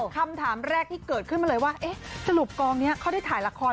คำถามแรกที่เกิดขึ้นมาเลยว่าเอ๊ะสรุปกองนี้เขาได้ถ่ายละคร